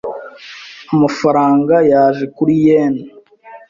Amafaranga yaje kuri yen .